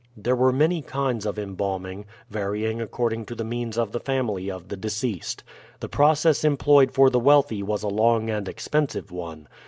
There were many kinds of embalming, varying according to the means of the family of the deceased. The process employed for the wealthy was a long and expensive one.